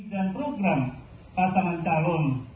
misi dan program pasangan calon